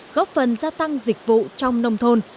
góp phần gia tăng dịch vụ trong nông thôn